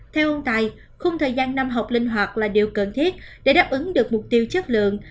theo ông tài khung thời gian năm học linh hoạt là điều cần thiết để đáp ứng được mục tiêu chất lượng